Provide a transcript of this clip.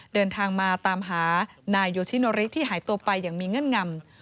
เดินทางมาตามหานายโยชิโนริที่หายตัวไปอย่างมีเงื่อนงำ